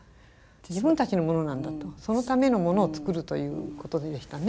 自分たちのものなんだとそのためのものを作るということでしたね。